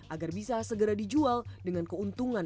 agar bisa segera dijual dengan keuntungan